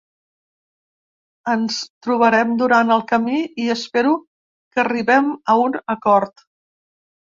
Ens trobarem durant el camí i espero que arribem a un acord.